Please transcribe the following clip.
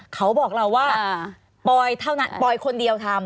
เขาบอกเราว่าปอยเท่านั้นปอยคนเดียวทำ